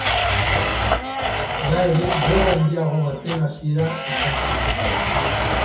Hala ere gerra handiago baten hasiera izan ziren.